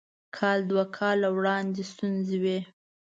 کال دوه کاله وړاندې ستونزې وې.